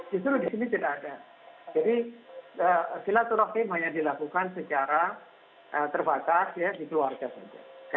justru di sini tidak ada jadi silaturahim hanya dilakukan secara terbatas di keluarga saja